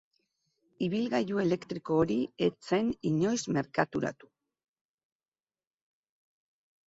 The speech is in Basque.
Ibilgailu elektriko hori ez zen inoiz merkaturatu.